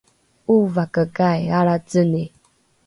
’ovakekai alraceni?